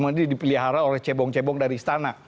ini dipelihara oleh cebong cebong dari istana